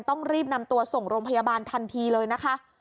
ต้องรีบนำตัวส่งโรงพยาบาลทันทีเลยนะคะ